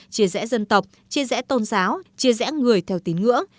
chia rẽ dân tộc chia rẽ tôn giáo chia rẽ người theo tín ngưỡng